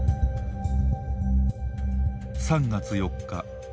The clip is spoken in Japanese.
３月４日